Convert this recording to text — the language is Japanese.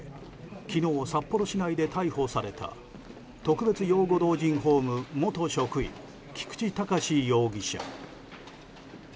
昨日、札幌市内で逮捕された特別養護老人ホーム元職員菊池隆容疑者。